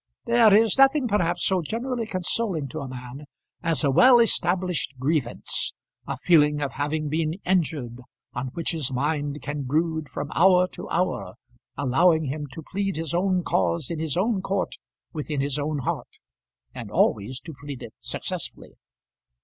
There is nothing perhaps so generally consoling to a man as a well established grievance; a feeling of having been injured, on which his mind can brood from hour to hour, allowing him to plead his own cause in his own court, within his own heart, and always to plead it successfully.